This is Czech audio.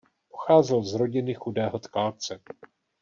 Pocházel z rodiny chudého tkalce.